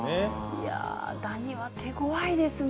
いやぁ、ダニは手ごわいですね。